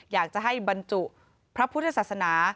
อยากจะให้บรรจุพระพุทธศาสนา